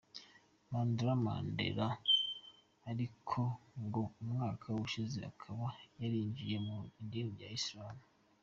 Mandla Mandela ariko ngo umwaka ushize akaba yarinjiye mu idini ya Islam.